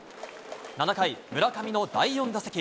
７回、村上の第４打席。